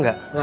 gak liat pak